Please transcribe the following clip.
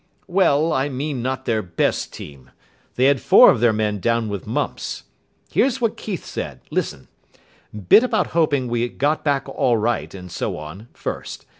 "Well, I mean not their best team. They had four of their men down with mumps. Here's what Keith says. Listen. Bit about hoping we got back all right, and so on, first.